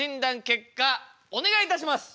結果お願いいたします！